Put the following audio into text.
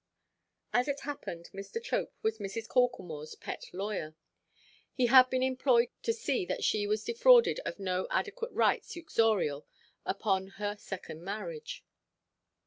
As it happened, Mr. Chope was Mrs. Corklemoreʼs pet lawyer: he had been employed to see that she was defrauded of no adequate rights uxorial upon her second marriage.